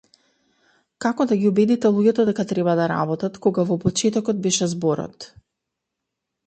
Како да ги убедите луѓето дека треба да работат, кога во почетокот беше зборот?